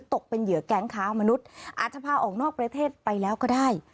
ตกเป็นเหยื่อแก๊งค้ามนุษย์อาจจะพาออกนอกประเทศไปแล้วก็ได้